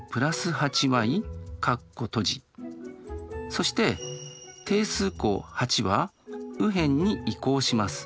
そして定数項８は右辺に移項します。